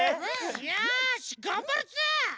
よしがんばるぞ！